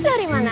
terus dari mana